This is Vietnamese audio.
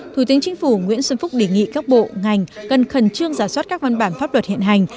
thủ tướng chính phủ nguyễn xuân phúc đề nghị các bộ ngành cần khẩn trương giả soát các văn bản pháp luật hiện hành